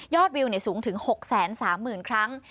วิวสูงถึง๖๓๐๐๐ครั้ง